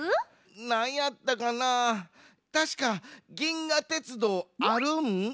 なんやったかなたしか「銀河鉄道」。